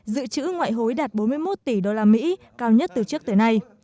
dự trữ ngoại hối đạt bốn mươi một tỷ usd cao nhất từ trước tới nay